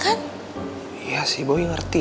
kamu aja bisa ngerti